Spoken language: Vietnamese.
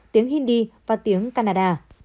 tiếng hindi và tiếng canada